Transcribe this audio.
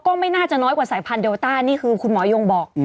ก็ไม่น่าจะน้อยกว่าสายพันธุเดลต้านี่คือคุณหมอยงบอก